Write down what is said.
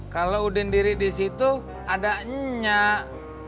kalo udin diri disitu ada nnyak